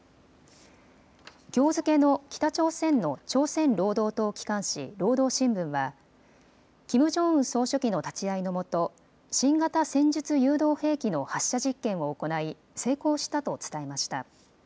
きょう付けの北朝鮮の朝鮮労働党機関紙、労働新聞はキム・ジョンウン総書記の立ち会いの下、新型戦術誘導兵器の発射実験を行い成功したと伝えました。